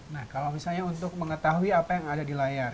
nah kalau misalnya untuk mengetahui apa yang ada di layar